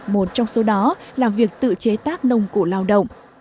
một trong số đó là việc tự chế tác nông cụ lao động